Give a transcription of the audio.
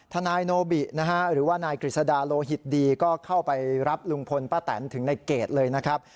ทนายโนบินะฮะหรือว่านายกฤษดาโลหิตดีก็เข้าไปรับลุงพลป้าแตนถึงในเกรดเลยนะครับ